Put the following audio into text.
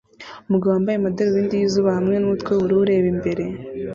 Umugabo wambaye amadarubindi yizuba hamwe numutwe wubururu ureba imbere